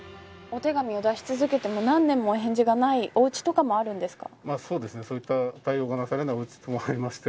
お手紙を出し続けても何年も返事がないおうちとかもあるんですか。